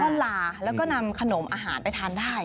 ลาแล้วก็นำขนมอาหารไปทานได้